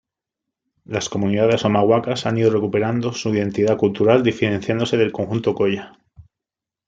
Las comunidades omaguacas han ido recuperando su identidad cultural diferenciándose del conjunto kolla.